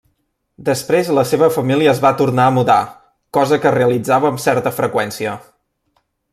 Després la seva família es va tornar a mudar, cosa que realitzava amb certa freqüència.